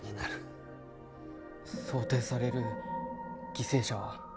想定される犠牲者は？